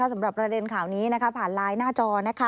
สำหรับประเด็นข่าวนี้ผ่านไลน์หน้าจอ